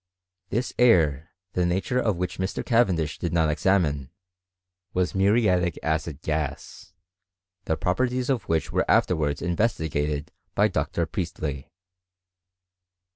This air, the nature of which Mr. Caven dish did not examine, was mufiatic acid gas, the pro perties of which were afterwards investigated by Dr. Priestley.